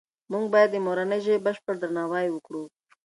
موږ باید د مورنۍ ژبې بشپړ درناوی وکړو.